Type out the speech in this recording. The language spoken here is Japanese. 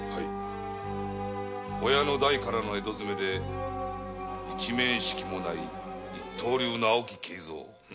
親の代からの江戸詰めで一面識もない一刀流の青木啓蔵を。